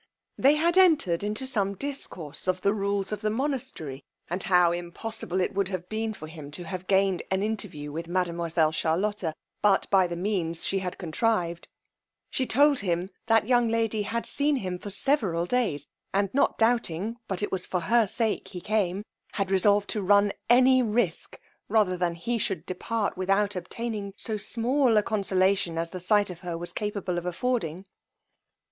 They had entered into some discourse of the rules of the monastry, and how impossible it would have been for him to have gained an interview with mademoiselle Charlotta, but by the means she had contrived; she told him that young lady had seen him for several days, and not doubling but it was for her sake he came, had resolved to run any risque rather than he should depart without obtaining so small a consolation as the sight of her was capable of affording.